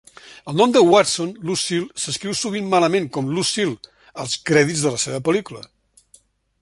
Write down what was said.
El nom de Watson, Lucile, s'escriu sovint malament com Lucille, als crèdits de la seva pel·lícula